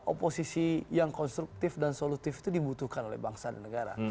oposisi yang konstruktif dan solutif itu dibutuhkan oleh bangsa dan negara